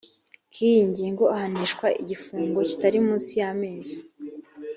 k iyi ngingo ahanishwa igifungo kitari munsi y amezi